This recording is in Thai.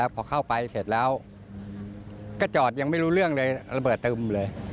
พอเข้าไปเสร็จแล้วก็จอดยังไม่รู้เรื่องเลยระเบิดตึมเลย